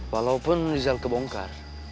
walaupun rizal kebongkar